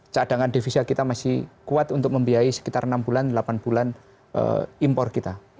cadangan devisa kita masih kuat untuk membiayai sekitar enam bulan delapan bulan impor kita